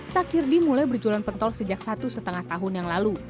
sakirdi mulai berjualan pentol sejak satu setengah tahun yang lalu